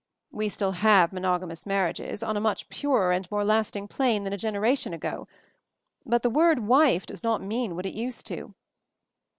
We still have monogamous marriages, on a much purer and more lasting plane than a generation ago ; but the word 'wife' does not mean what it used to."